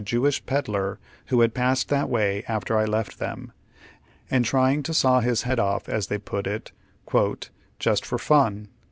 Tewish pedlar who had passed that way after I left them, and trying to saw his head off, as they put it, "just for fun.